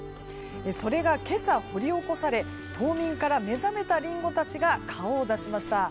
それが今朝、掘り起こされ冬眠から目覚めたリンゴたちが顔を出しました。